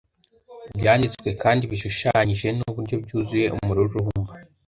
Byanditswe kandi bishushanyije nuburyo byuzuye umururumba